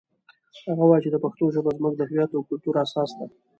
هغه وایي چې د پښتو ژبه زموږ د هویت او کلتور اساس ده